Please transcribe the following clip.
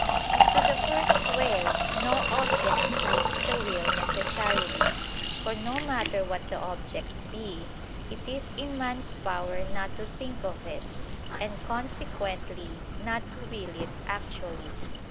As to the first way, no object moves the will necessarily, for no matter what the object be, it is in man's power not to think of it, and consequently not to will it actually.